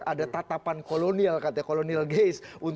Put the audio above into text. ada tatapan kolonial katanya kolonial gas